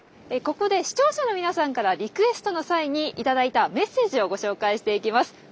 ここで視聴者の皆さんからリクエストの際に頂いたメッセージをご紹介していきます。